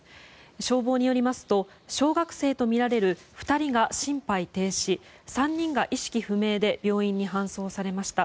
消防によりますと小学生とみられる２人が心肺停止３人が意識不明で病院に搬送されました。